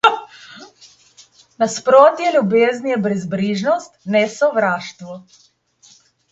Nasprotje ljubezni je brezbrižnost, ne sovraštvo.